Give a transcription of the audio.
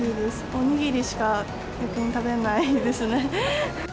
おにぎりしか食べないですね。